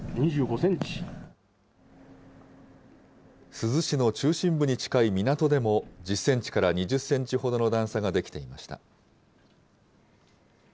珠洲市の中心部に近い港でも、１０センチから２０センチほどの段差が出来ていました。